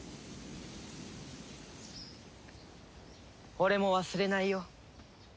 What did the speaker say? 俺も忘れないよ